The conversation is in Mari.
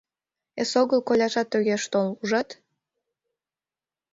Эсогыл коляжат огеш тол, ужат?